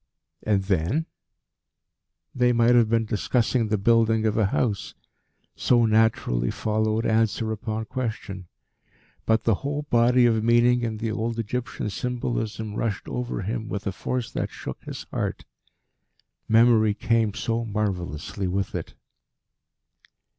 "And then?" They might have been discussing the building of a house, so naturally followed answer upon question. But the whole body of meaning in the old Egyptian symbolism rushed over him with a force that shook his heart. Memory came so marvellously with it.